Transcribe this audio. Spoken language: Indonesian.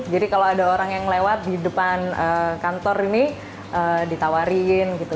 jadi kalau ada orang yang lewat di depan kantor ini ditawarin gitu